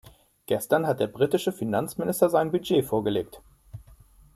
Gestern hat der britische Finanzminister sein Budget vorgelegt.